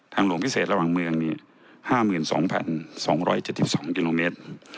ทางหลวงพิเศษระหว่างเมืองนี่ห้าหมื่นสองพันสองร้อยเจ็ดสิบสองกิโลเมตร